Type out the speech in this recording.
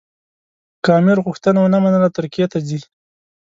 که امیر غوښتنه ونه منله ترکیې ته ځي.